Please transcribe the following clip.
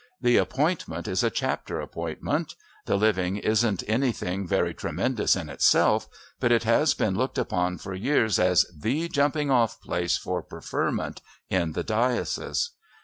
The appointment is a Chapter appointment. The living isn't anything very tremendous in itself, but it has been looked upon for years as the jumping off place for preferment in the diocese.